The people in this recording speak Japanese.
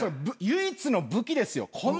唯一の武器ですよ。